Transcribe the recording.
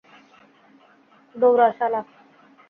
দৌড়া, শালা!